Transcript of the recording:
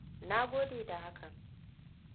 Na gode da hakan.